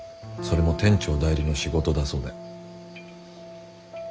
それも店長代理の仕事だそうで。